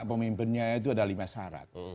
pemimpinnya itu ada lima syarat